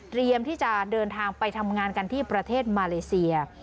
ที่จะเดินทางไปทำงานกันที่ประเทศมาเลเซีย